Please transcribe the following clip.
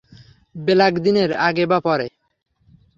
Black দিনের আগে বা পরে।